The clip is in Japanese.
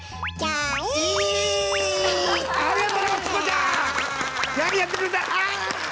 ありがと！